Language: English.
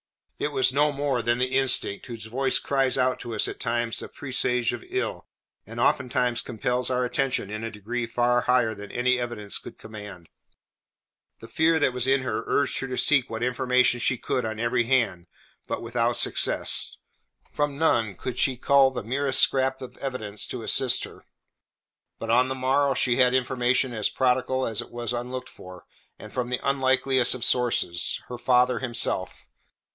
It was no more than the instinct whose voice cries out to us at times a presage of ill, and oftentimes compels our attention in a degree far higher than any evidence could command. The fear that was in her urged her to seek what information she could on every hand, but without success. From none could she cull the merest scrap of evidence to assist her. But on the morrow she had information as prodigal as it was unlooked for, and from the unlikeliest of sources her father himself.